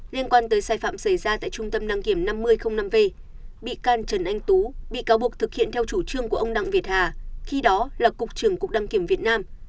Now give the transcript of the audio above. liên quan tới sai phạm xảy ra tại trung tâm đăng kiểm năm mươi năm v bị can trần anh tú bị cáo buộc thực hiện theo chủ trương của ông đặng việt hà khi đó là cục trưởng cục đăng kiểm việt nam